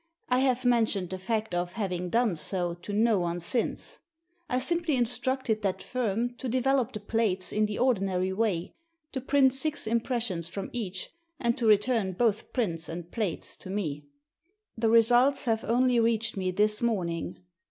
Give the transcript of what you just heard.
I have mentioned the fact of having done so to no one since. I simply instructed that firm to develop the plates in the ordinary way, Digitized by VjOOQIC 28 THE SEEN AND THE UNSEEN to print six impressions from each, and to return both prints and plates to me. The results have only reached me this morning.